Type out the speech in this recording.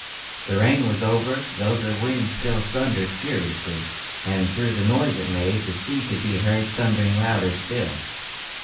The rain was over, though the wind still thundered furiously, and through the noise it made, the sea could be heard thundering louder still.